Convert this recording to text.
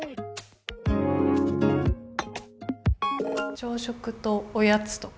朝食とおやつとか。